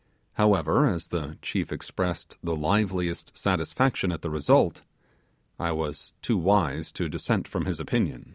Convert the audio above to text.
However, as the chief expressed the liveliest satisfaction at the result, I was too wise to dissent from his opinion.